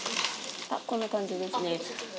こんな感じですね。